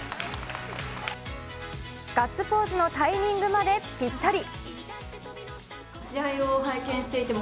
ガッツポーズのタイミングまでピッタリ。